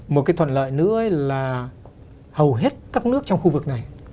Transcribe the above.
một cái thuận lợi nữa là hầu hết các nước trong khu vực này